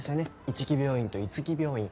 一木病院とイツキ病院。